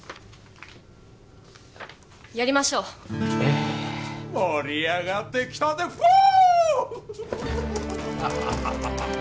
やりましょうええ盛り上がってきたぜフォー！